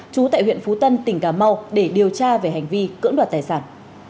trú tại huyện phú tân tỉnh cà mau để điều tra về hành vi cưỡng đoạt tài sản